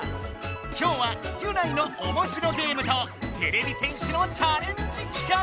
今日はギュナイのおもしろゲームとてれび戦士のチャレンジ企画！